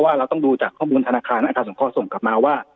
ว่าเราต้องดูจากข้อมูลธนาคารสมพรส่งกลับมาว่า